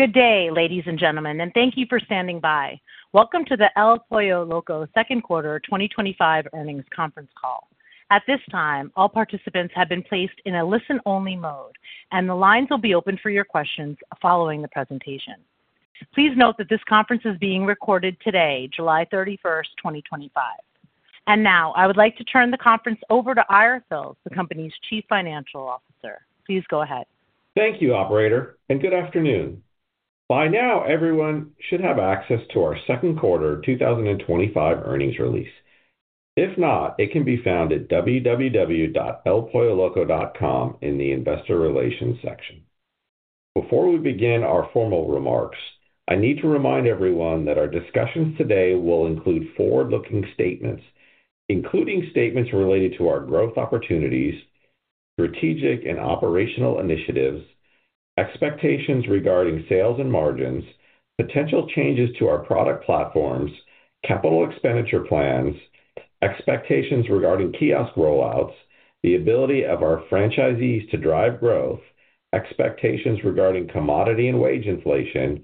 Good day, ladies and gentlemen, and thank you for standing by. Welcome to the El Pollo Loco Holdings Inc. second quarter 2025 earnings conference call. At this time, all participants have been placed in a listen-only mode, and the lines will be open for your questions following the presentation. Please note that this conference is being recorded today, July 31, 2025. I would like to turn the conference over to Ira Fils, the company's Chief Financial Officer. Please go ahead. Thank you, Operator, and good afternoon. By now, everyone should have access to our second quarter 2025 earnings release. If not, it can be found at www.elpolloloco.com in the Investor Relations section. Before we begin our formal remarks, I need to remind everyone that our discussions today will include forward-looking statements, including statements related to our growth opportunities, strategic and operational initiatives, expectations regarding sales and margins, potential changes to our product platforms, capital expenditure plans, expectations regarding kiosk rollouts, the ability of our franchisees to drive growth, expectations regarding commodity and wage inflation,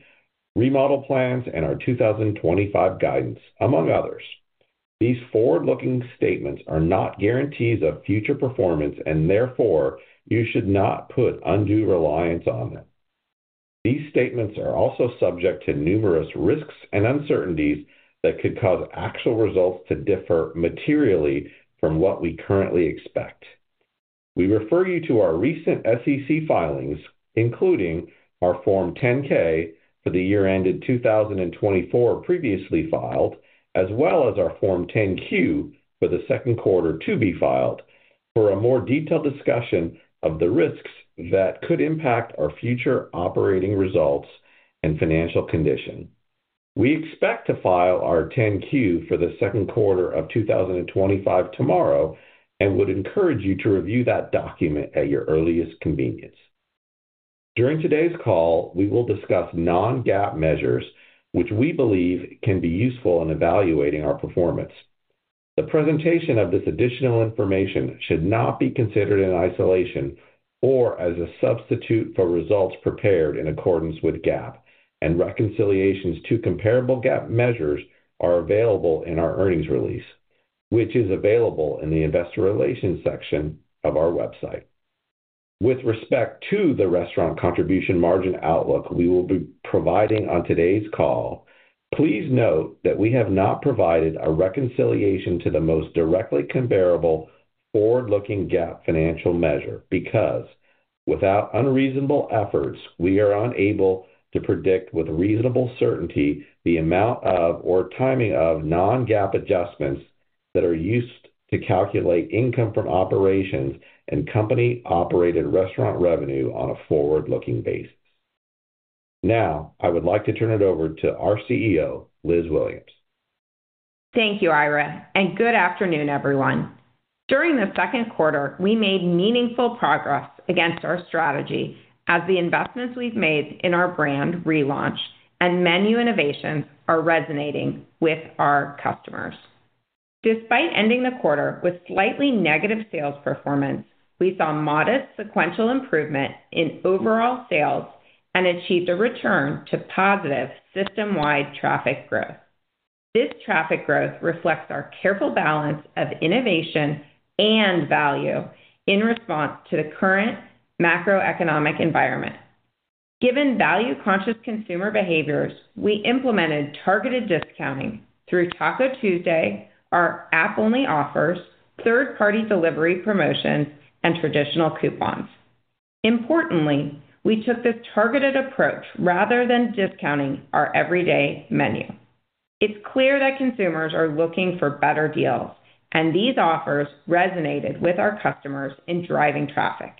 remodel plans, and our 2025 guidance, among others. These forward-looking statements are not guarantees of future performance, and therefore, you should not put undue reliance on them. These statements are also subject to numerous risks and uncertainties that could cause actual results to differ materially from what we currently expect. We refer you to our recent SEC filings, including our Form 10-K for the year ended 2024 previously filed, as well as our Form 10-Q for the second quarter to be filed for a more detailed discussion of the risks that could impact our future operating results and financial condition. We expect to file our 10-Q for the second quarter of 2025 tomorrow and would encourage you to review that document at your earliest convenience. During today's call, we will discuss non-GAAP measures, which we believe can be useful in evaluating our performance. The presentation of this additional information should not be considered in isolation or as a substitute for results prepared in accordance with GAAP, and reconciliations to comparable GAAP measures are available in our earnings release, which is available in the Investor Relations section of our website. With respect to the restaurant contribution margin outlook we will be providing on today's call, please note that we have not provided a reconciliation to the most directly comparable forward-looking GAAP financial measure because, without unreasonable efforts, we are unable to predict with reasonable certainty the amount of or timing of non-GAAP adjustments that are used to calculate income from operations and company-operated restaurant revenue on a forward-looking basis. Now, I would like to turn it over to our CEO, Elizabeth Williams. Thank you, Ira, and good afternoon, everyone. During the second quarter, we made meaningful progress against our strategy as the investments we've made in our brand relaunch and menu innovations are resonating with our customers. Despite ending the quarter with slightly negative sales performance, we saw modest sequential improvement in overall sales and achieved a return to positive system-wide traffic growth. This traffic growth reflects our careful balance of innovation and value in response to the current macro-economic environment. Given value-conscious consumer behaviors, we implemented targeted discounting through Taco Tuesday, our app-only offers, third-party delivery promotions, and traditional coupons. Importantly, we took this targeted approach rather than discounting our everyday menu. It's clear that consumers are looking for better deals, and these offers resonated with our customers in driving traffic.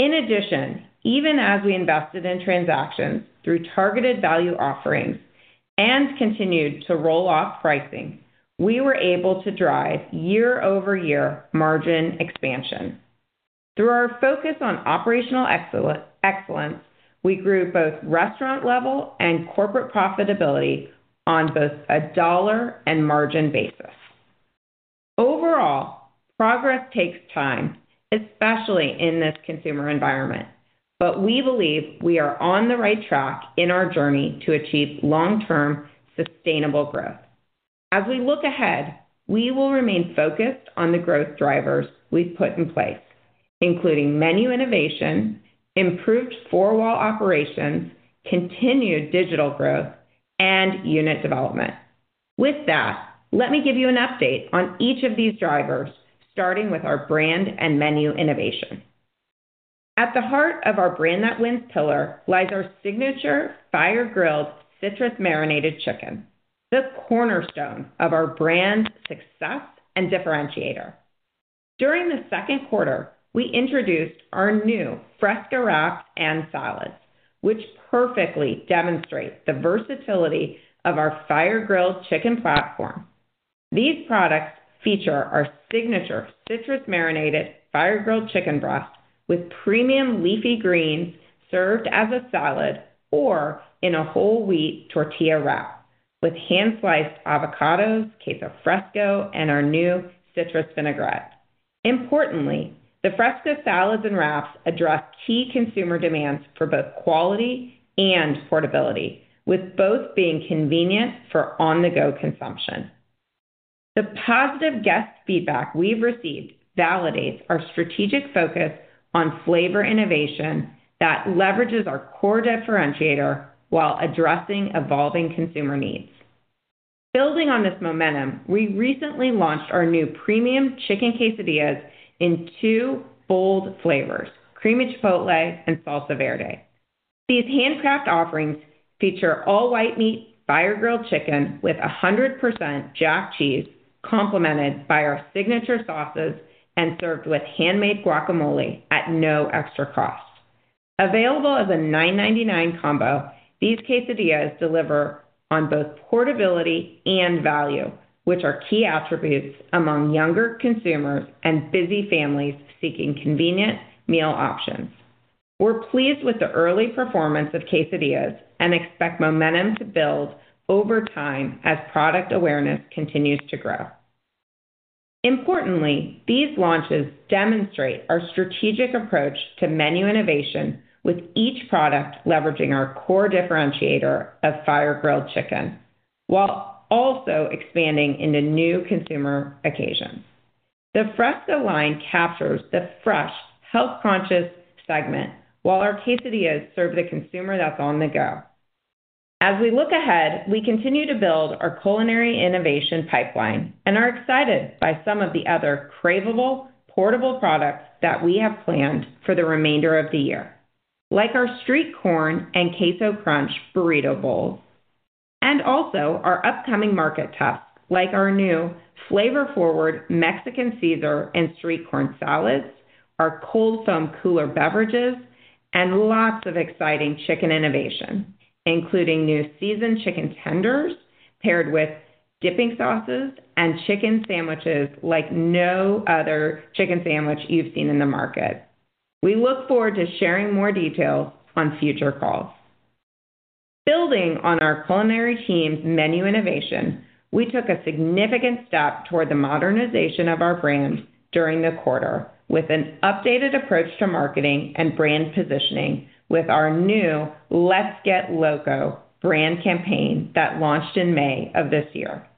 In addition, even as we invested in transactions through targeted value offerings and continued to roll off pricing, we were able to drive year-over-year margin expansion. Through our focus on operational excellence, we grew both restaurant level and corporate profitability on both a dollar and margin basis. Overall, progress takes time, especially in this consumer environment, but we believe we are on the right track in our journey to achieve long-term sustainable growth. As we look ahead, we will remain focused on the growth drivers we've put in place, including menu innovation, improved four-wall operations, continued digital growth, and unit development. With that, let me give you an update on each of these drivers, starting with our brand and menu innovation. At the heart of our brand that wins pillar lies our signature Citrus-Marinated Fire-Grilled Chicken, the cornerstone of our brand's success and differentiator. During the second quarter, we introduced our new Fresca Wraps and Salads, which perfectly demonstrate the versatility of our fire-grilled chicken platform. These products feature our signature Citrus-Marinated Fire-Grilled Chicken breast with premium leafy greens served as a salad or in a whole wheat tortilla wrap with hand-sliced avocados, queso fresco, and our new citrus vinaigrette. Importantly, the Fresca Salads and Wraps address key consumer demands for both quality and portability, with both being convenient for on-the-go consumption. The positive guest feedback we've received validates our strategic focus on flavor innovation that leverages our core differentiator while addressing evolving consumer needs. Building on this momentum, we recently launched our new premium Chicken Quesadillas in two bold flavors: creamy chipotle and salsa verde. These handcraft offerings feature all-white meat fire-grilled chicken with 100% jack cheese, complemented by our signature sauces and served with handmade guacamole at no extra cost. Available as a $9.99 combo, these Quesadillas deliver on both portability and value, which are key attributes among younger consumers and busy families seeking convenient meal options. We're pleased with the early performance of Quesadillas and expect momentum to build over time as product awareness continues to grow. Importantly, these launches demonstrate our strategic approach to menu innovation, with each product leveraging our core differentiator of fire-grilled chicken while also expanding into new consumer occasions. The Fresca line captures the fresh, health-conscious segment, while our Quesadillas serve the consumer that's on the go. As we look ahead, we continue to build our culinary innovation pipeline and are excited by some of the other craveable, portable products that we have planned for the remainder of the year, like our street corn and queso crunch burrito bowl, and also our upcoming market tests like our new flavor-forward Mexican Caesar and street corn salads, our cold foam cooler beverages, and lots of exciting chicken innovation, including new seasoned chicken tenders paired with dipping sauces and chicken sandwiches like no other chicken sandwich you've seen in the market. We look forward to sharing more details on future calls. Building on our culinary team's menu innovation, we took a significant step toward the modernization of our brand during the quarter with an updated approach to marketing and brand positioning with our new Let's Get Loco brand campaign that launched in May of this year.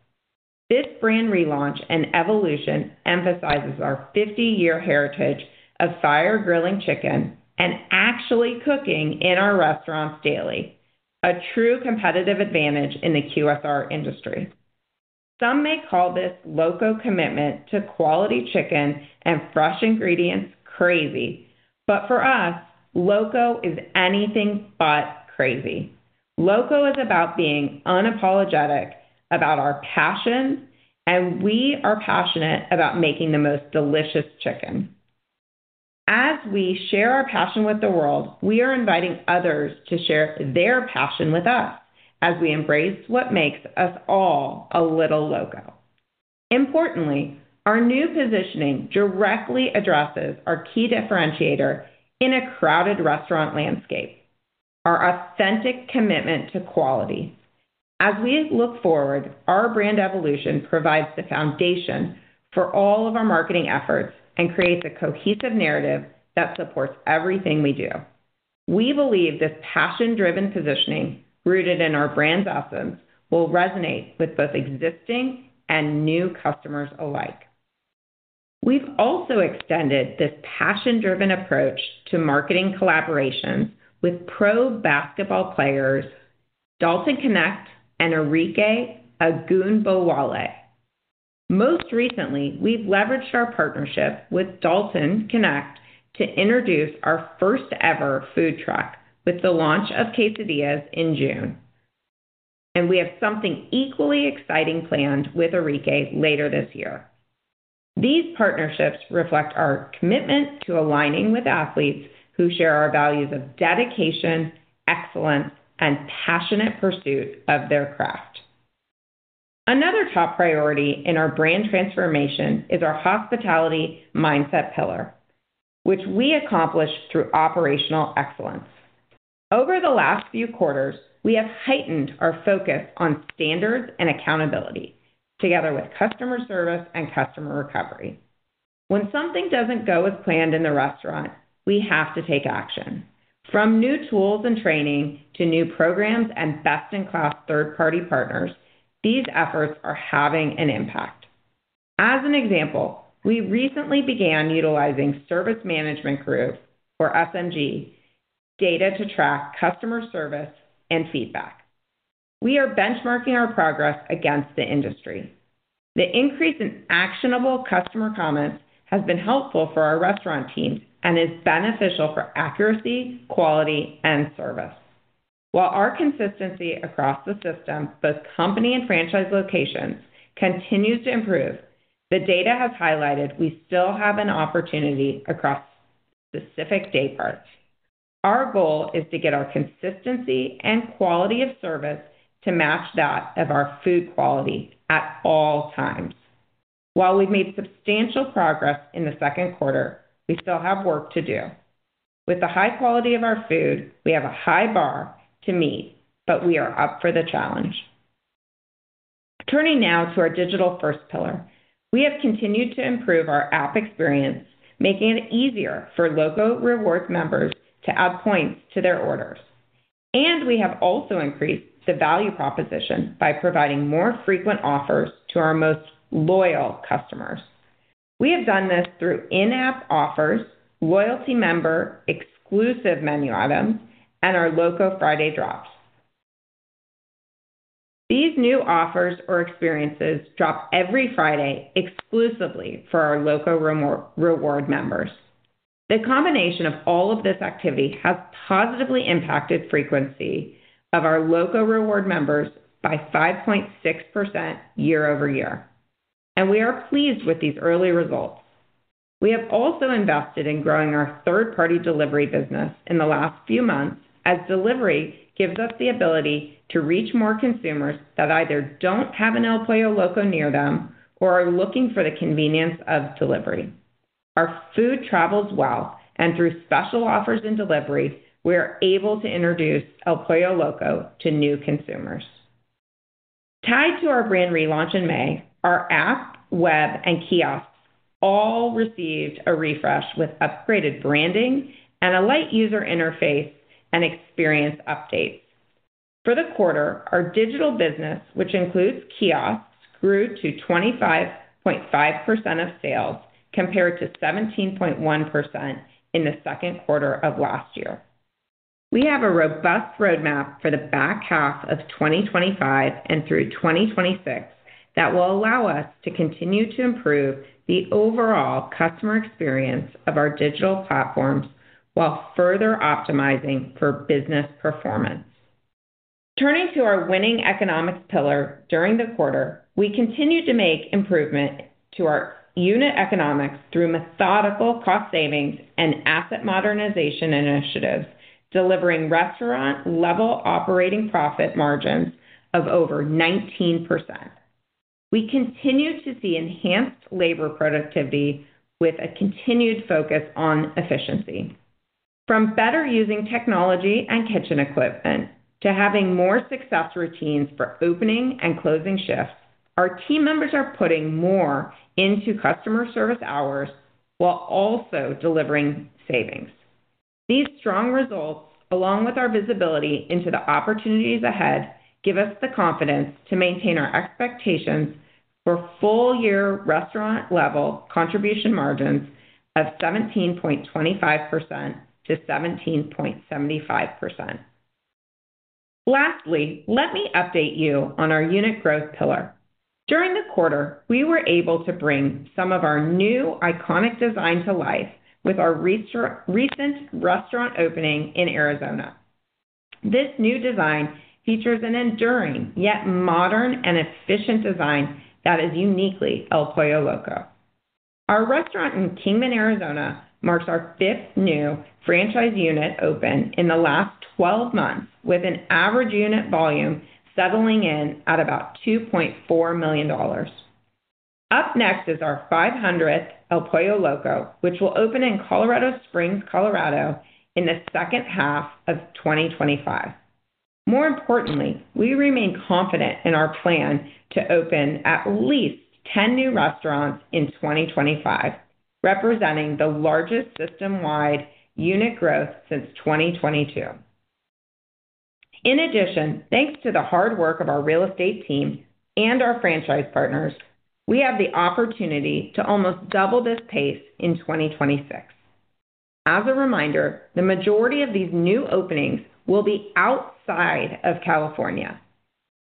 This brand relaunch and evolution emphasizes our 50-year heritage of fire-grilling chicken and actually cooking in our restaurants daily, a true competitive advantage in the QSR industry. Some may call this Loco commitment to quality chicken and fresh ingredients crazy, but for us, Loco is anything but crazy. Loco is about being unapologetic about our passion, and we are passionate about making the most delicious chicken. As we share our passion with the world, we are inviting others to share their passion with us as we embrace what makes us all a little Loco. Importantly, our new positioning directly addresses our key differentiator in a crowded restaurant landscape: our authentic commitment to quality. As we look forward, our brand evolution provides the foundation for all of our marketing efforts and creates a cohesive narrative that supports everything we do. We believe this passion-driven positioning, rooted in our brand's essence, will resonate with both existing and new customers alike. We've also extended this passion-driven approach to marketing collaboration with pro basketball players Dalton Knecht and Arike Ogunbowale. Most recently, we've leveraged our partnership with Dalton Knecht to introduce our first-ever food truck with the launch of Quesadillas in June, and we have something equally exciting planned with Arike later this year. These partnerships reflect our commitment to aligning with athletes who share our values of dedication, excellence, and passionate pursuit of their craft. Another top priority in our brand transformation is our hospitality mindset pillar, which we accomplish through operational excellence. Over the last few quarters, we have heightened our focus on standards and accountability, together with customer service and customer recovery. When something doesn't go as planned in the restaurant, we have to take action. From new tools and training to new programs and best-in-class third-party partners, these efforts are having an impact. As an example, we recently began utilizing Service Management Guru, or SMG, data to track customer service and feedback. We are benchmarking our progress against the industry. The increase in actionable customer comments has been helpful for our restaurant teams and is beneficial for accuracy, quality, and service. While our consistency across the system, both company and franchise locations, continues to improve, the data has highlighted we still have an opportunity across specific day parts. Our goal is to get our consistency and quality of service to match that of our food quality at all times. While we've made substantial progress in the second quarter, we still have work to do. With the high quality of our food, we have a high bar to meet, but we are up for the challenge. Turning now to our digital first pillar, we have continued to improve our app experience, making it easier for Loco Rewards members to add points to their orders. We have also increased the value proposition by providing more frequent offers to our most loyal customers. We have done this through in-app offers, loyalty member exclusive menu items, and our Loco Friday Drops. These new offers or experiences drop every Friday exclusively for our Loco Rewards members. The combination of all of this activity has positively impacted frequency of our Loco Rewards members by 5.6% year-over-year, and we are pleased with these early results. We have also invested in growing our third-party delivery business in the last few months, as delivery gives us the ability to reach more consumers that either don't have an El Pollo Loco near them or are looking for the convenience of delivery. Our food travels well, and through special offers and deliveries, we are able to introduce El Pollo Loco to new consumers. Tied to our brand relaunch in May, our app, web, and kiosks all received a refresh with upgraded branding and a light user interface and experience updates. For the quarter, our digital business, which includes kiosks, grew to 25.5% of sales compared to 17.1% in the second quarter of last year. We have a robust roadmap for the back half of 2025 and through 2026 that will allow us to continue to improve the overall customer experience of our digital platforms while further optimizing for business performance. Turning to our winning economics pillar during the quarter, we continued to make improvement to our unit economics through methodical cost savings and asset modernization initiatives, delivering restaurant-level operating profit margins of over 19%. We continue to see enhanced labor productivity with a continued focus on efficiency. From better using technology and kitchen equipment to having more success routines for opening and closing shifts, our team members are putting more into customer service hours while also delivering savings. These strong results, along with our visibility into the opportunities ahead, give us the confidence to maintain our expectations for full-year restaurant-level contribution margins of 17.25%-17.75%. Lastly, let me update you on our unit growth pillar. During the quarter, we were able to bring some of our new iconic design to life with our recent restaurant opening in Arizona. This new design features an enduring yet modern and efficient design that is uniquely El Pollo Loco. Our restaurant in Kingman, Arizona, marks our fifth new franchise unit open in the last 12 months, with an average unit volume settling in at about $2.4 million. Up next is our 500th El Pollo Loco, which will open in Colorado Springs, Colorado, in the second half of 2025. More importantly, we remain confident in our plan to open at least 10 new restaurants in 2025, representing the largest system-wide unit growth since 2022. In addition, thanks to the hard work of our real estate team and our franchise partners, we have the opportunity to almost double this pace in 2026. As a reminder, the majority of these new openings will be outside of California.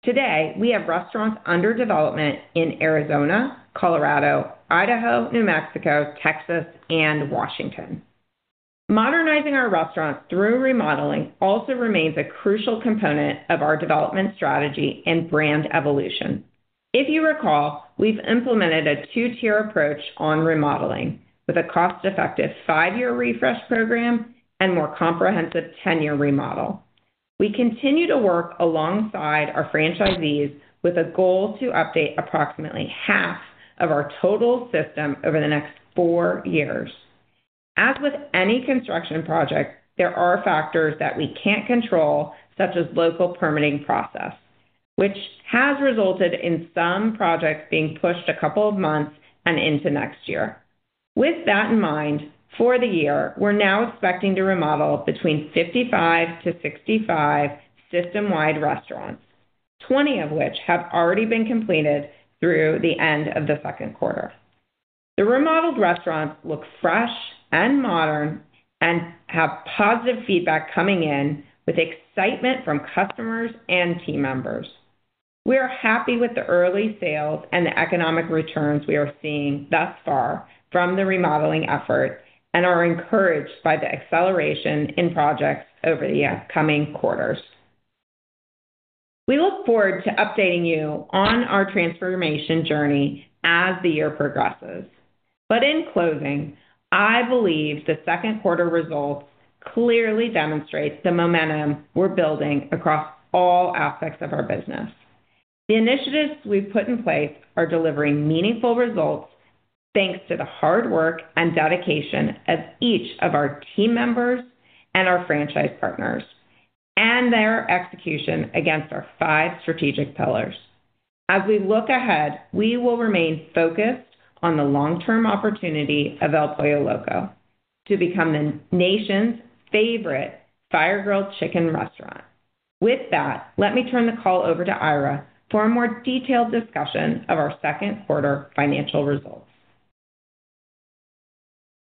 Today, we have restaurants under development in Arizona, Colorado, Idaho, New Mexico, Texas, and Washington. Modernizing our restaurants through remodeling also remains a crucial component of our development strategy and brand evolution. If you recall, we've implemented a two-tier approach on remodeling with a cost-effective five-year refresh program and more comprehensive 10-year remodel. We continue to work alongside our franchisees with a goal to update approximately half of our total system over the next four years. As with any construction project, there are factors that we can't control, such as local permitting process, which has resulted in some projects being pushed a couple of months and into next year. With that in mind, for the year, we're now expecting to remodel between 55 to 65 system-wide restaurants, 20 of which have already been completed through the end of the second quarter. The remodeled restaurants look fresh and modern and have positive feedback coming in with excitement from customers and team members. We are happy with the early sales and the economic returns we are seeing thus far from the remodeling effort and are encouraged by the acceleration in projects over the upcoming quarters. We look forward to updating you on our transformation journey as the year progresses. In closing, I believe the second quarter result clearly demonstrates the momentum we're building across all aspects of our business. The initiatives we've put in place are delivering meaningful results thanks to the hard work and dedication of each of our team members and our franchise partners and their execution against our five strategic pillars. As we look ahead, we will remain focused on the long-term opportunity of El Pollo Loco to become the nation's favorite fire-grilled chicken restaurant. With that, let me turn the call over to Ira for a more detailed discussion of our second quarter financial results.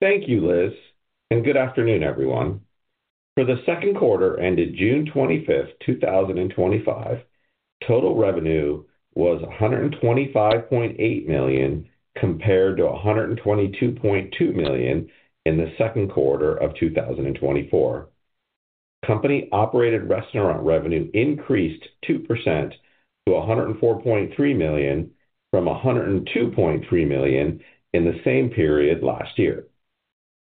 Thank you, Liz, and good afternoon, everyone. For the second quarter ended June 25, 2025, total revenue was $125.8 million compared to $122.2 million in the second quarter of 2024. Company-operated restaurant revenue increased 2% to $104.3 million from $102.3 million in the same period last year.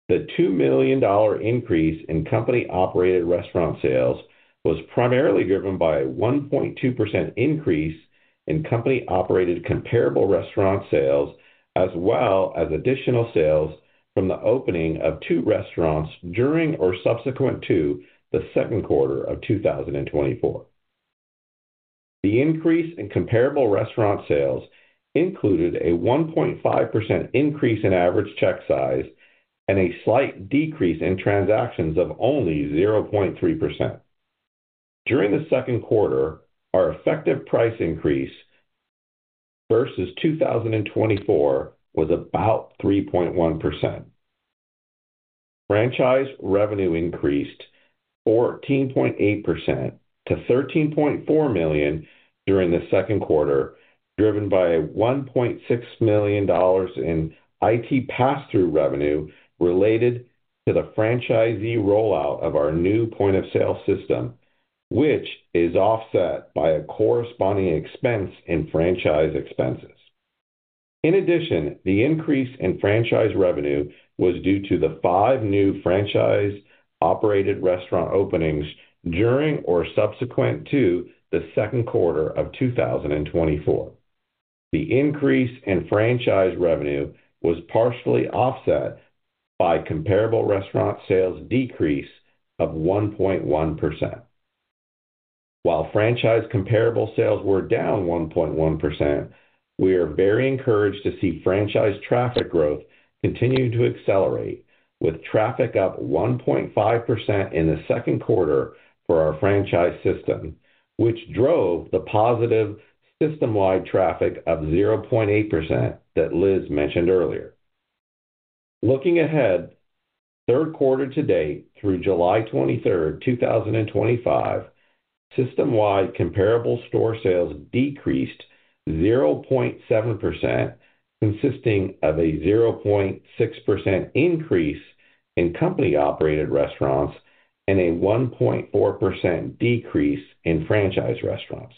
The $2 million increase in company-operated restaurant sales was primarily driven by a 1.2% increase in company-operated comparable restaurant sales, as well as additional sales from the opening of two restaurants during or subsequent to the second quarter of 2024. The increase in comparable restaurant sales included a 1.5% increase in average check size and a slight decrease in transactions of only 0.3%. During the second quarter, our effective price increase versus 2024 was about 3.1%. Franchise revenue increased 14.8%-$13.4 million during the second quarter, driven by $1.6 million in IT pass-through revenue related to the franchisee rollout of our new point-of-sale system, which is offset by a corresponding expense in franchise expenses. In addition, the increase in franchise revenue was due to the five new franchise-operated restaurant openings during or subsequent to the second quarter of 2024. The increase in franchise revenue was partially offset by comparable restaurant sales decrease of 1.1%. While franchise comparable sales were down 1.1%, we are very encouraged to see franchise traffic growth continue to accelerate, with traffic up 1.5% in the second quarter for our franchise system, which drove the positive system-wide traffic of 0.8% that Liz mentioned earlier. Looking ahead, third quarter to date through July 23, 2025, system-wide comparable store sales decreased 0.7%, consisting of a 0.6% increase in company-operated restaurants and a 1.4% decrease in franchise restaurants.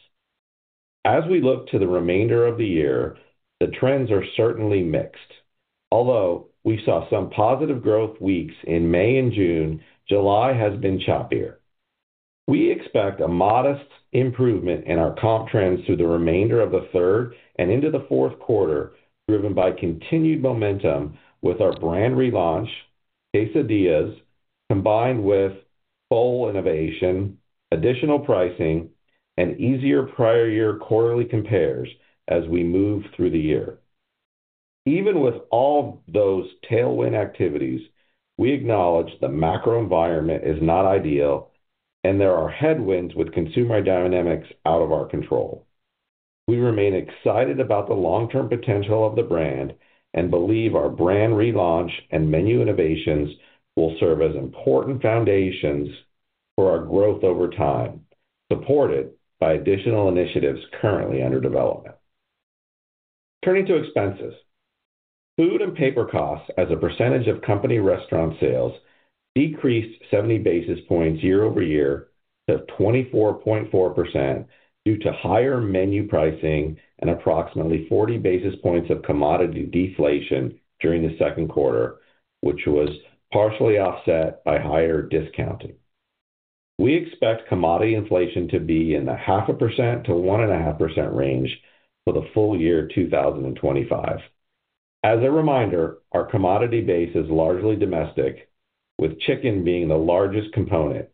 As we look to the remainder of the year, the trends are certainly mixed. Although we saw some positive growth weeks in May and June, July has been choppier. We expect a modest improvement in our comp trends through the remainder of the third and into the fourth quarter, driven by continued momentum with our brand relaunch, Quesadillas, combined with bold innovation, additional pricing, and easier prior-year quarterly compares as we move through the year. Even with all those tailwind activities, we acknowledge the macro-economic environment is not ideal, and there are headwinds with consumer dynamics out of our control. We remain excited about the long-term potential of the brand and believe our brand relaunch and menu innovations will serve as important foundations for our growth over time, supported by additional initiatives currently under development. Turning to expenses, food and paper costs as a percentage of company restaurant sales decreased 70 basis points year-over-year to 24.4% due to higher menu pricing and approximately 40 basis points of commodity deflation during the second quarter, which was partially offset by higher discounting. We expect commodity inflation to be in the 0.5%-1.5% range for the full year 2025. As a reminder, our commodity base is largely domestic, with chicken being the largest component.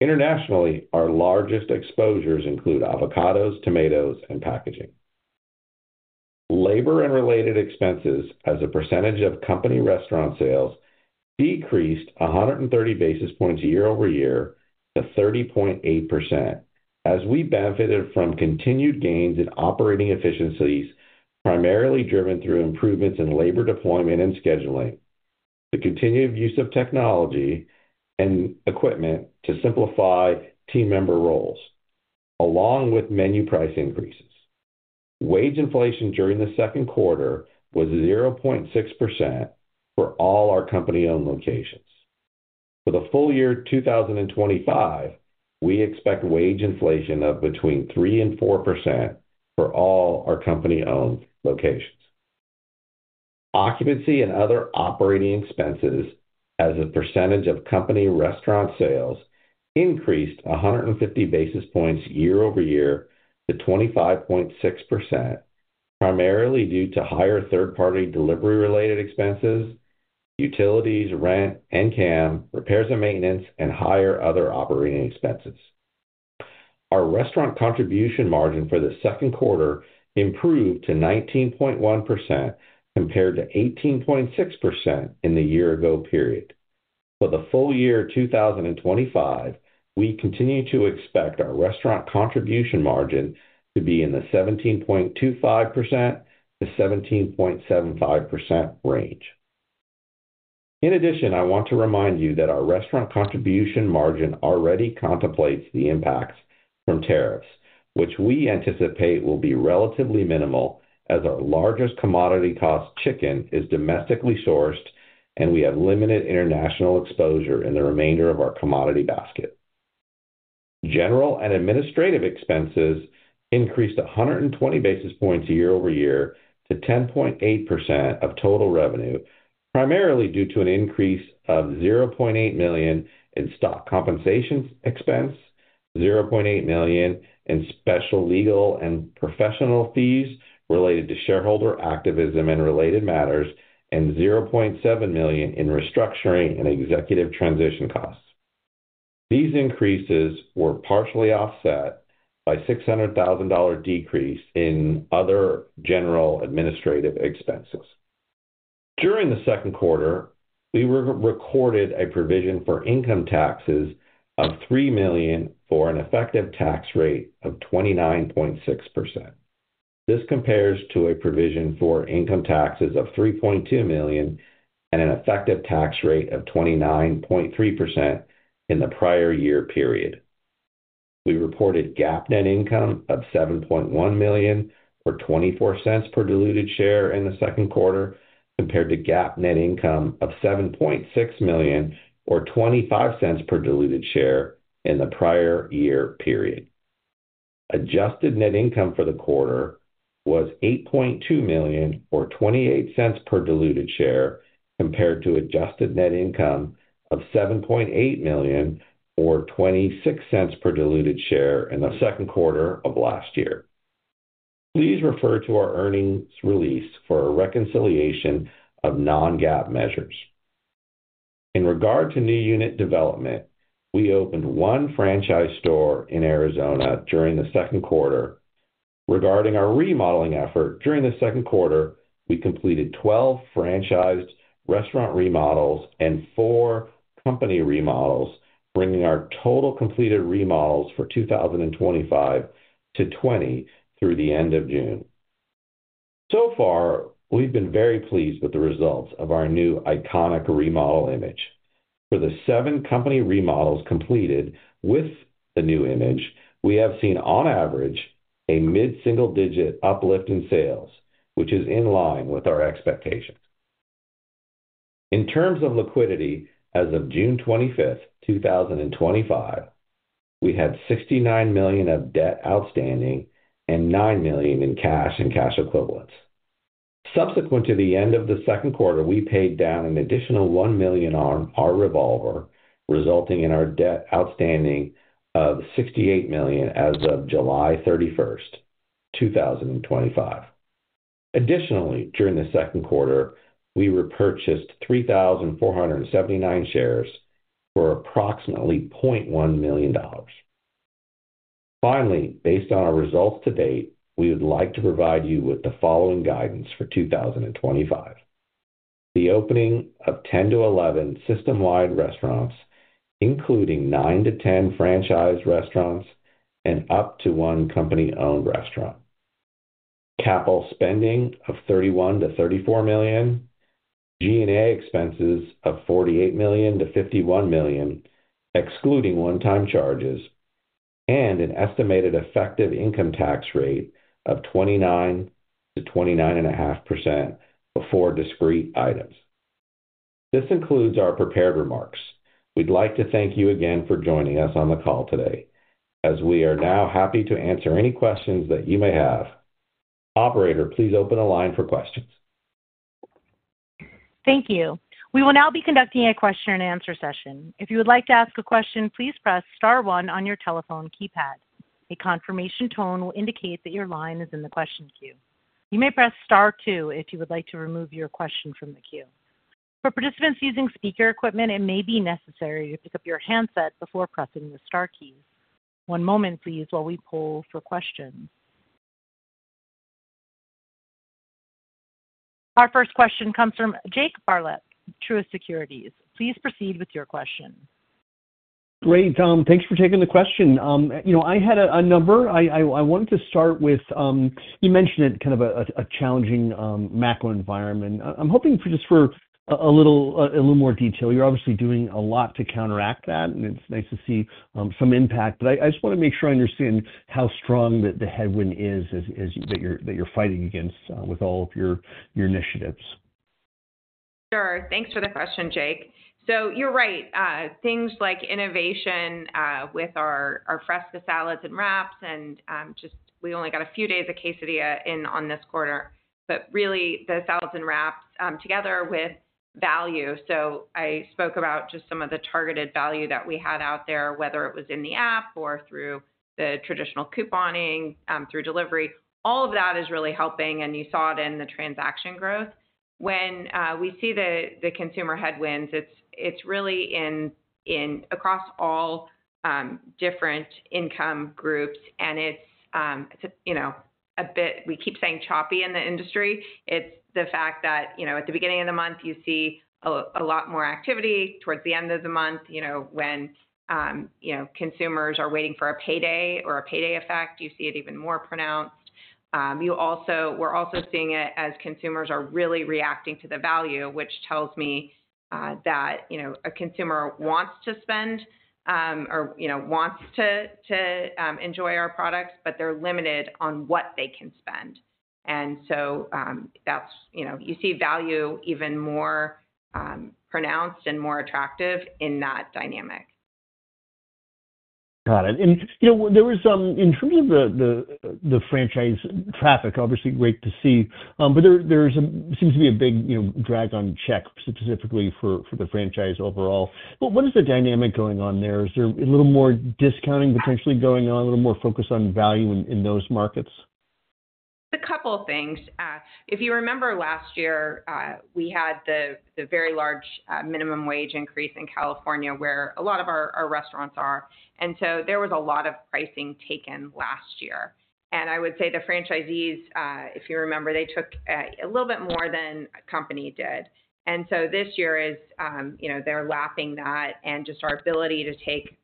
Internationally, our largest exposures include avocados, tomatoes, and packaging. Labor and related expenses as a percentage of company restaurant sales decreased 130 basis points year-over-year to 30.8% as we benefited from continued gains in operating efficiencies, primarily driven through improvements in labor deployment and scheduling, the continued use of technology and equipment to simplify team member roles, along with menu price increases. Wage inflation during the second quarter was 0.6% for all our company-owned locations. For the full year 2025, we expect wage inflation of between 3% and 4% for all our company-owned locations. Occupancy and other operating expenses as a percentage of company restaurant sales increased 150 basis points year-over-year to 25.6%, primarily due to higher third-party delivery-related expenses, utilities, rent, NCAN, repairs and maintenance, and higher other operating expenses. Our restaurant contribution margin for the second quarter improved to 19.1% compared to 18.6% in the year-ago period. For the full year 2025, we continue to expect our restaurant contribution margin to be in the 17.25%-17.75% range. In addition, I want to remind you that our restaurant contribution margin already contemplates the impacts from tariffs, which we anticipate will be relatively minimal as our largest commodity cost, chicken, is domestically sourced and we have limited international exposure in the remainder of our commodity basket. General and administrative expenses increased 120 basis points year over year to 10.8% of total revenue, primarily due to an increase of $0.8 million in stock compensation expense, $0.8 million in special legal and professional fees related to shareholder activism and related matters, and $0.7 million in restructuring and executive transition costs. These increases were partially offset by a $0.6 million decrease in other general administrative expenses. During the second quarter, we recorded a provision for income taxes of $3 million for an effective tax rate of 29.6%. This compares to a provision for income taxes of $3.2 million and an effective tax rate of 29.3% in the prior year period. We reported GAAP net income of $7.1 million or $0.24 per diluted share in the second quarter compared to GAAP net income of $7.6 million or $0.25 per diluted share in the prior year period. Adjusted net income for the quarter was $8.2 million or $0.28 per diluted share compared to adjusted net income of $7.8 million or $0.26 per diluted share in the second quarter of last year. Please refer to our earnings release for a reconciliation of non-GAAP measures. In regard to new unit development, we opened one franchise store in Arizona during the second quarter. Regarding our remodeling efforts, during the second quarter, we completed 12 franchised restaurant remodels and four company remodels, bringing our total completed remodels for 2025 to 20 through the end of June. We have been very pleased with the results of our new iconic remodel image. For the seven company remodels completed with the new image, we have seen on average a mid-single-digit uplift in sales, which is in line with our expectations. In terms of liquidity, as of June 25, 2025, we had $69 million of debt outstanding and $9 million in cash and cash equivalents. Subsequent to the end of the second quarter, we paid down an additional $1 million on our revolver, resulting in our debt outstanding of $68 million as of July 31, 2025. Additionally, during the second quarter, we repurchased 3,479 shares for approximately $0.1 million. Finally, based on our results to date, we would like to provide you with the following guidance for 2025: the opening of 10-11 system-wide restaurants, including 9-10 franchise restaurants and up to one company-owned restaurant, capital spending of $31 million-$34 million, G&A expenses of $48 million-$51 million, excluding one-time charges, and an estimated effective income tax rate of 29%-29.5% before discrete items. This concludes our prepared remarks. We'd like to thank you again for joining us on the call today, as we are now happy to answer any questions that you may have. Operator, please open the line for questions. Thank you. We will now be conducting a question and answer session. If you would like to ask a question, please press star one on your telephone keypad. A confirmation tone will indicate that your line is in the question queue. You may press star two if you would like to remove your question from the queue. For participants using speaker equipment, it may be necessary to pick up your handset before pressing the star key. One moment, please, while we pull for questions. Our first question comes from Jake Bartlett with Truist Securities. Please proceed with your question. Great, Tom. Thanks for taking the question. I had a number. I wanted to start with, you mentioned it kind of a challenging macro-economic environment. I'm hoping for just a little more detail. You're obviously doing a lot to counteract that, and it's nice to see some impact, but I just want to make sure I understand how strong the headwind is that you're fighting against with all of your initiatives. Sure. Thanks for the question, Jake. You're right. Things like innovation with our Fresca Salads and Wraps, and we only got a few days of Chicken Quesadillas in on this quarter, but really the salads and wraps together with value. I spoke about just some of the targeted value that we had out there, whether it was in the app or through the traditional couponing, through delivery. All of that is really helping, and you saw it in the transaction growth. When we see the consumer headwinds, it's really across all different income groups, and it's a bit, we keep saying choppy in the industry. It's the fact that at the beginning of the month, you see a lot more activity. Towards the end of the month, when consumers are waiting for a payday or a payday effect, you see it even more pronounced. We're also seeing it as consumers are really reacting to the value, which tells me that a consumer wants to spend or wants to enjoy our products, but they're limited on what they can spend. You see value even more pronounced and more attractive in that dynamic. Got it. In terms of the franchise traffic, obviously great to see, but there seems to be a big drag on check specifically for the franchise overall. What is the dynamic going on there? Is there a little more discounting potentially going on, a little more focus on value in those markets? A couple of things. If you remember last year, we had the very large minimum wage increase in California where a lot of our restaurants are, and so there was a lot of pricing taken last year. I would say the franchisees, if you remember, they took a little bit more than the company did. This year, they're lapping that and just our ability to take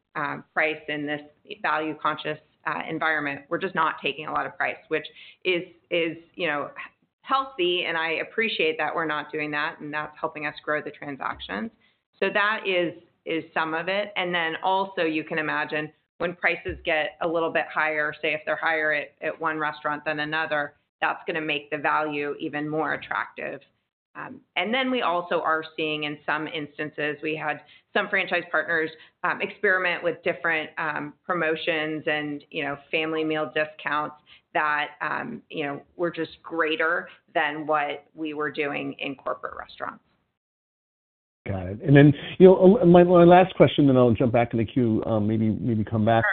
price in this value-conscious environment. We're just not taking a lot of price, which is healthy, and I appreciate that we're not doing that, and that's helping us grow the transactions. That is some of it. Also, you can imagine when prices get a little bit higher, say if they're higher at one restaurant than another, that's going to make the value even more attractive. We also are seeing in some instances, we had some franchise partners experiment with different promotions and family meal discounts that were just greater than what we were doing in corporate restaurants. Got it. My last question, then I'll jump back in the queue, maybe come back,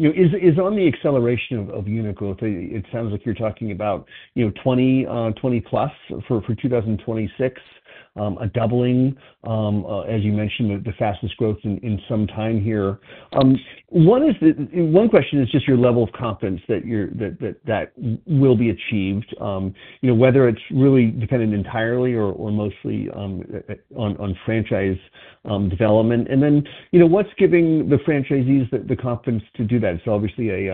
is on the acceleration of unit growth. It sounds like you're talking about 20 plus for 2026, a doubling, as you mentioned, the fastest growth in some time here. One question is just your level of confidence that will be achieved, whether it's really dependent entirely or mostly on franchise development. What's giving the franchisees the confidence to do that? It's obviously a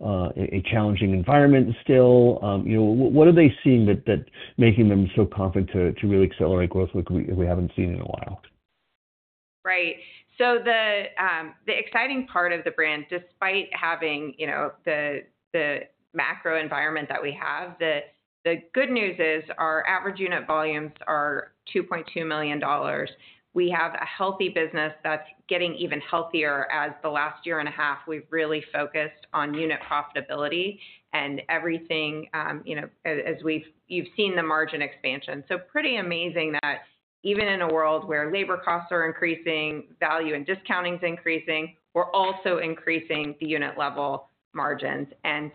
challenging environment still. What are they seeing that's making them so confident to really accelerate growth like we haven't seen in a while? Right. The exciting part of the brand, despite having, you know, the macro-economic environment that we have, the good news is our average unit volumes are $2.2 million. We have a healthy business that's getting even healthier as the last year and a half we've really focused on unit profitability and everything, you know, as we've seen the margin expansion. Pretty amazing that even in a world where labor costs are increasing, value and discounting is increasing, we're also increasing the unit level margins.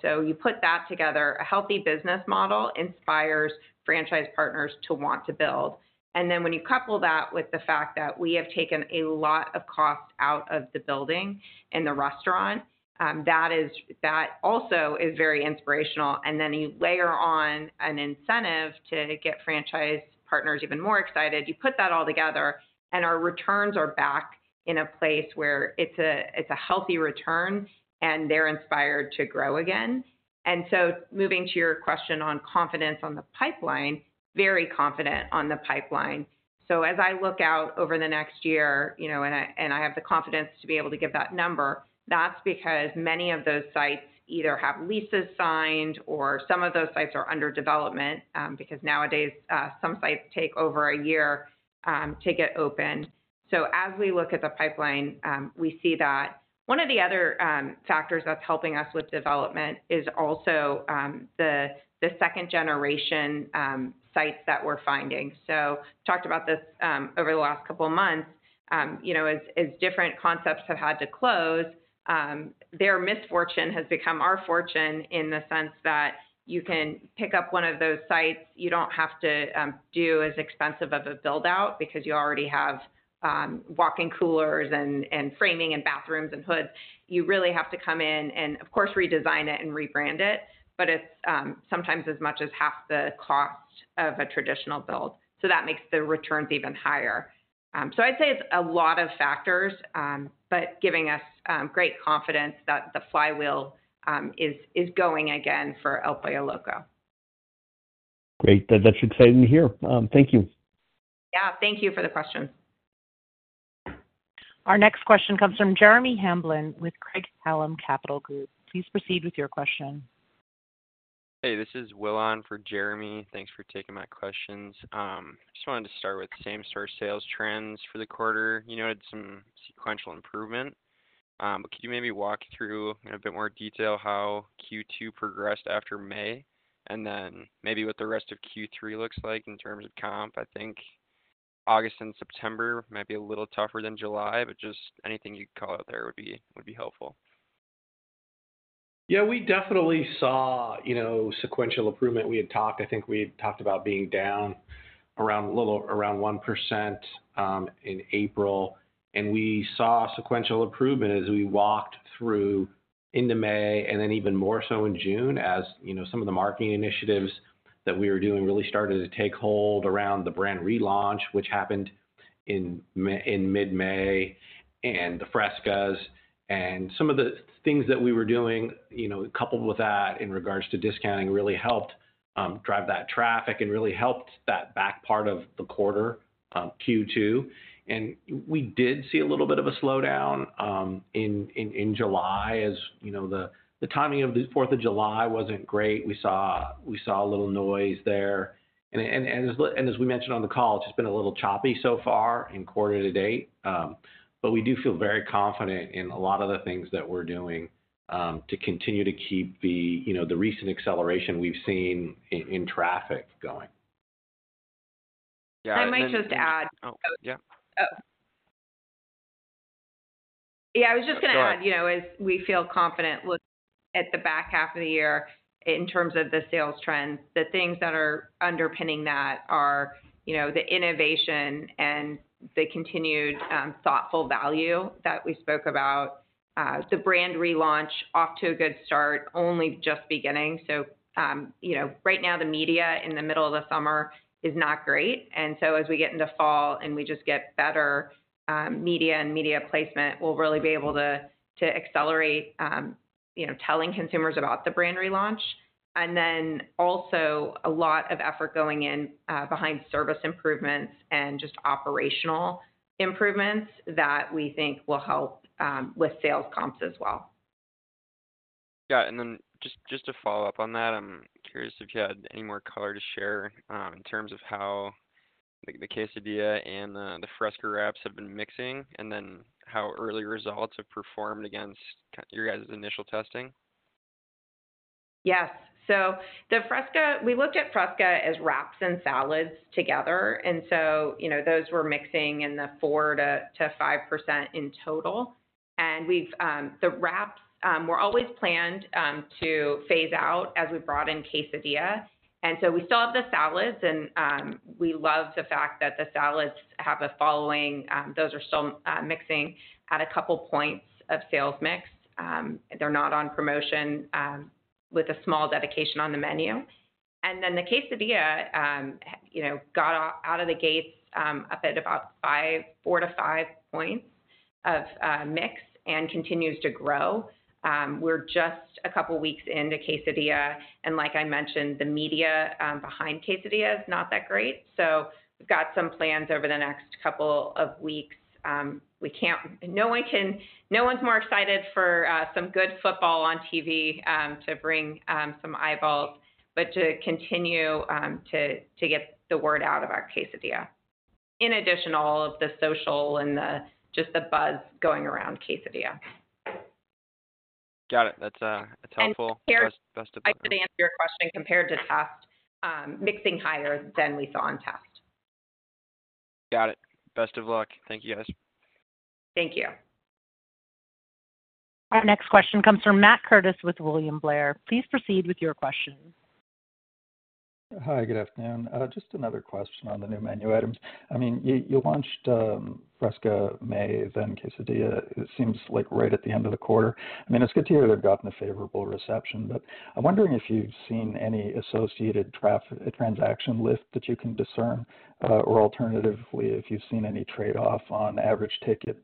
You put that together, a healthy business model inspires franchise partners to want to build. When you couple that with the fact that we have taken a lot of cost out of the building in the restaurant, that also is very inspirational. You layer on an incentive to get franchise partners even more excited. You put that all together and our returns are back in a place where it's a healthy return and they're inspired to grow again. Moving to your question on confidence on the pipeline, very confident on the pipeline. As I look out over the next year, you know, and I have the confidence to be able to give that number, that's because many of those sites either have leases signed or some of those sites are under development because nowadays some sites take over a year to get open. As we look at the pipeline, we see that one of the other factors that's helping us with development is also the second generation sites that we're finding. I talked about this over the last couple of months, you know, as different concepts have had to close, their misfortune has become our fortune in the sense that you can pick up one of those sites. You don't have to do as expensive of a build-out because you already have walk-in coolers and framing and bathrooms and hoods. You really have to come in and, of course, redesign it and rebrand it, but it's sometimes as much as half the cost of a traditional build. That makes the returns even higher. I'd say it's a lot of factors, but giving us great confidence that the flywheel is going again for El Pollo Loco. Great. That's exciting to hear. Thank you. Yeah, thank you for the question. Our next question comes from Jeremy Hamblin with Craig-Hallum Capital Group. Please proceed with your question. Hey, this is Will on for Jeremy. Thanks for taking my questions. I just wanted to start with same-store sales trends for the quarter. You noted some sequential improvement, but could you maybe walk through in a bit more detail how Q2 progressed after May and then maybe what the rest of Q3 looks like in terms of comp? I think August and September might be a little tougher than July, but just anything you could call out there would be helpful. Yeah, we definitely saw sequential improvement. We had talked, I think we had talked about being down around a little around 1% in April, and we saw sequential improvement as we walked through into May and then even more so in June as some of the marketing initiatives that we were doing really started to take hold around the brand relaunch, which happened in mid-May, and the Fresca Salads. Some of the things that we were doing, coupled with that in regards to discounting, really helped drive that traffic and really helped that back part of the quarter Q2. We did see a little bit of a slowdown in July as the timing of the 4th of July wasn't great. We saw a little noise there. As we mentioned on the call, it's just been a little choppy so far in quarter to date, but we do feel very confident in a lot of the things that we're doing to continue to keep the recent acceleration we've seen in traffic going. I might just add, I was just going to add, you know, as we feel confident, look at the back half of the year in terms of the sales trends. The things that are underpinning that are, you know, the innovation and the continued thoughtful value that we spoke about. The brand relaunch off to a good start, only just beginning. Right now the media in the middle of the summer is not great. As we get into fall and we just get better media and media placement, we'll really be able to accelerate, you know, telling consumers about the brand relaunch. Also, a lot of effort going in behind service improvements and just operational improvements that we think will help with sales comps as well. Yeah, just to follow up on that, I'm curious if you had any more color to share in terms of how the Quesadillas and the Fresca Wraps have been mixing, and how early results have performed against your guys' initial testing. Yes, so the Fresca, we looked at Fresca Wraps and Salads together. Those were mixing in the 4%-5% in total. The wraps were always planned to phase out as we brought in Quesadillas. We still have the salads, and we love the fact that the salads have a following. Those are still mixing at a couple points of sales mix. They're not on promotion with a small dedication on the menu. The Quesadilla got out of the gates up at about 4%-5% of mix and continues to grow. We're just a couple weeks into Quesadilla, and like I mentioned, the media behind Quesadilla is not that great. We've got some plans over the next couple of weeks. No one is more excited for some good football on TV to bring some eyeballs, but to continue to get the word out about Quesadilla, in addition to all of the social and just the buzz going around Quesadilla. Got it. That's helpful. I did answer your question compared to test, mixing higher than we saw on test. Got it. Best of luck. Thank you, guys. Thank you. Our next question comes from Matt Curtis with William Blair. Please proceed with your question. Hi, good afternoon. Just another question on the new menu items. I mean, you launched Fresca in May, then Quesadillas. It seems like right at the end of the quarter. It's good to hear they've gotten a favorable reception, but I'm wondering if you've seen any associated transaction lift that you can discern, or alternatively, if you've seen any trade-off on average ticket,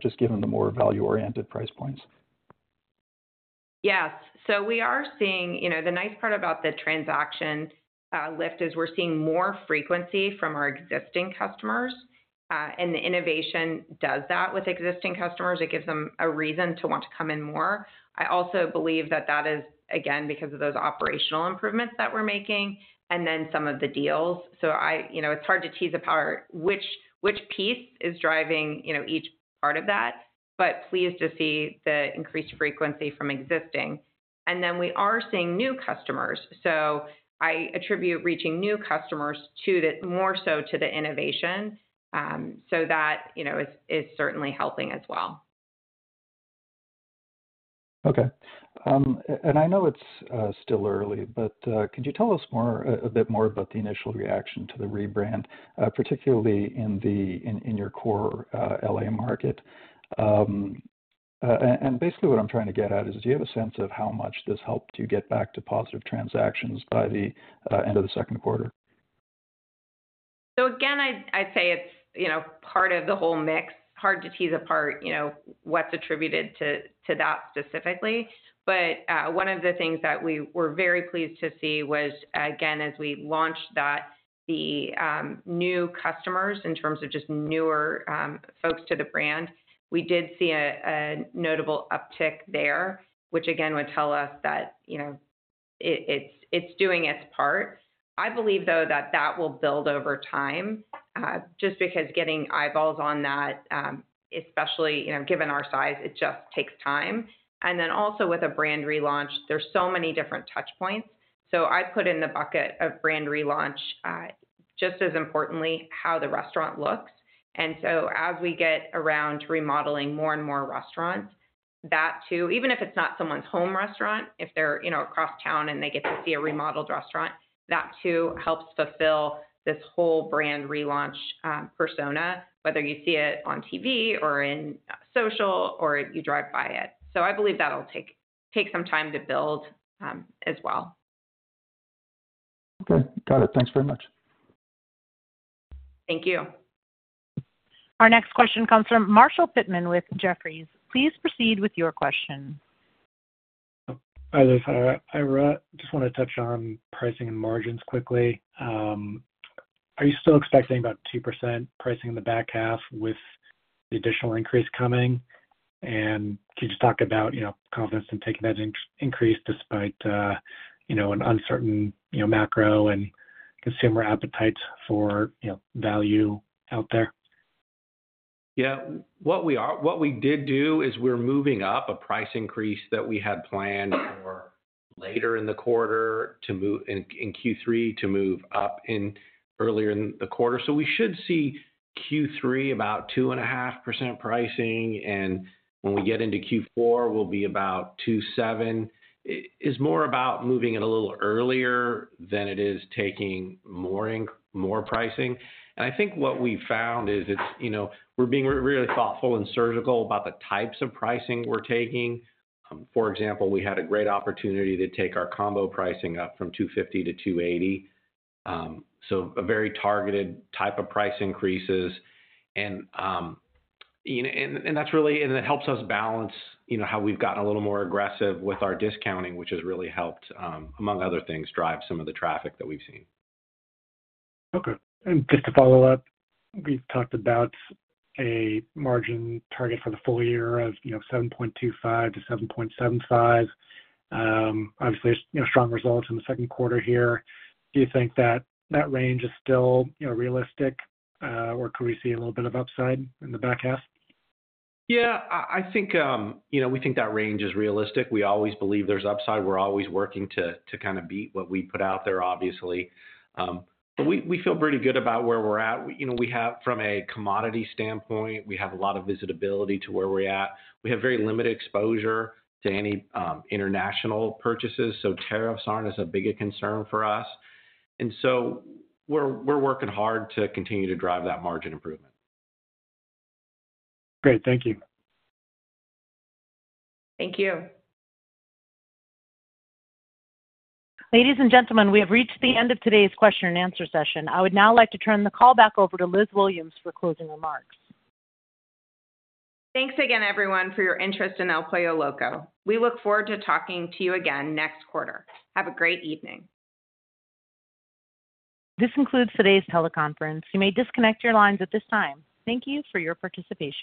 just given the more value-oriented price points. Yes, we are seeing, you know, the nice part about the transaction lift is we're seeing more frequency from our existing customers, and the innovation does that with existing customers. It gives them a reason to want to come in more. I also believe that is, again, because of those operational improvements that we're making and then some of the deals. It's hard to tease apart which piece is driving each part of that, but pleased to see the increased frequency from existing. We are seeing new customers. I attribute reaching new customers more so to the innovation. That is certainly helping as well. Okay. I know it's still early, but could you tell us a bit more about the initial reaction to the rebrand, particularly in your core L.A. market? Basically, what I'm trying to get at is, do you have a sense of how much this helped you get back to positive transactions by the end of the second quarter? I'd say it's part of the whole mix. Hard to tease apart what's attributed to that specifically. One of the things that we were very pleased to see was, as we launched that, the new customers in terms of just newer folks to the brand, we did see a notable uptick there, which would tell us that it's doing its part. I believe though that that will build over time, just because getting eyeballs on that, especially given our size, it just takes time. Also, with a brand relaunch, there are so many different touch points. I put in the bucket of brand relaunch just as importantly how the restaurant looks. As we get around to remodeling more and more restaurants, that too, even if it's not someone's home restaurant, if they're across town and they get to see a remodeled restaurant, that too helps fulfill this whole brand relaunch persona, whether you see it on T.V. or in social or you drive by it. I believe that'll take some time to build as well. Okay, got it. Thanks very much. Thank you. Our next question comes from Marshall Pittman with Jefferies. Please proceed with your question. Hi, Liz. I just want to touch on pricing and margins quickly. Are you still expecting about 2% pricing in the back half with the additional increase coming? Can you just talk about confidence in taking that increase despite an uncertain macro and consumer appetites for value out there? What we did do is we're moving up a price increase that we had planned for later in the quarter to move in Q3 to move up earlier in the quarter. We should see Q3 about 2.5% pricing, and when we get into Q4, we'll be about 2.7%. It's more about moving it a little earlier than it is taking more pricing. I think what we found is we're being really thoughtful and surgical about the types of pricing we're taking. For example, we had a great opportunity to take our combo pricing up from $2.50-$2.80. A very targeted type of price increases, and it helps us balance how we've gotten a little more aggressive with our discounting, which has really helped, among other things, drive some of the traffic that we've seen. Okay. Just to follow up, we've talked about a margin target for the full year of 7.25%-7.75%. Obviously, strong results in the second quarter here. Do you think that that range is still realistic, or could we see a little bit of upside in the back half? Yeah, I think we think that range is realistic. We always believe there's upside. We're always working to kind of beat what we put out there, obviously. We feel pretty good about where we're at. We have, from a commodity standpoint, a lot of visibility to where we're at. We have very limited exposure to any international purchases, so tariffs aren't as big a concern for us. We are working hard to continue to drive that margin improvement. Great, thank you. Thank you. Ladies and gentlemen, we have reached the end of today's question and answer session. I would now like to turn the call back over to Elizabeth Williams for closing remarks. Thanks again, everyone, for your interest in El Pollo Loco. We look forward to talking to you again next quarter. Have a great evening. This concludes today's teleconference. You may disconnect your lines at this time. Thank you for your participation.